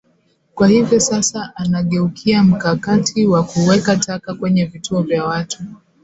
Kwa hivyo sasa anageukia mkakati wa kuweka taka kwenye vituo vya watu